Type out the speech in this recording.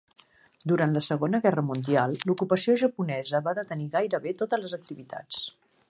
Durant la Segona Guerra Mundial, l'ocupació japonesa va detenir gairebé totes les activitats.